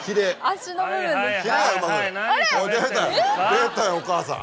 出たよお母さん。